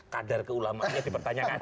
kadar keulamanya dipertanyakan